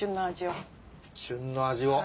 旬の味を。